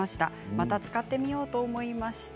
また使ってみようと思いました。